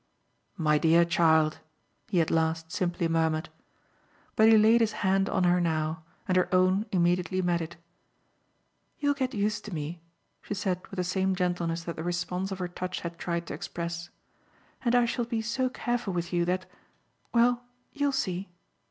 "My dear child!" he at last simply murmured. But he laid his hand on her now, and her own immediately met it. "You'll get used to me," she said with the same gentleness that the response of her touch had tried to express; "and I shall be so careful with you that well, you'll see!"